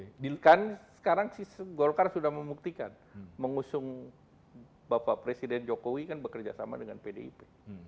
jadi kan sekarang golkar sudah membuktikan mengusung bapak presiden jokowi kan bekerja sama dengan pdip